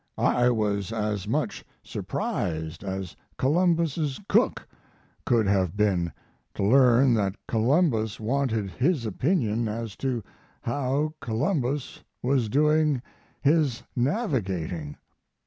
"I was as much surprised as Columbus's cook could have been to learn that Columbus wanted his opinion as to how Columbus was doing his navigating."